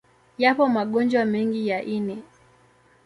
Yapo magonjwa mengi ya ini.